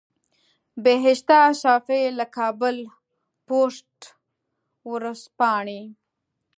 بهشته صافۍ له کابل پوسټ ورځپاڼې.